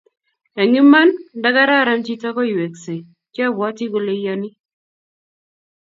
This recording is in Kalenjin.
Eng Iman nda gararan chito koiweksei."Kyabwati kole iyani"